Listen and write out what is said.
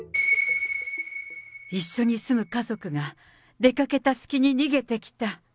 一緒に住む家族が出かけた隙に逃げてきた。